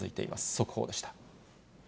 速報でした。